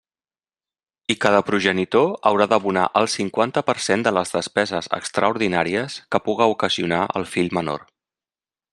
I cada progenitor haurà d'abonar el cinquanta per cent de les despeses extraordinàries que puga ocasionar el fill menor.